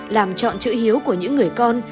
làm chọn chữ hiếu của những người con